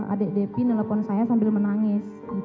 adik depi nelfon saya sambil menangis